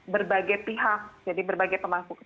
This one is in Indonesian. berbagai pihak jadi berbagai teman teman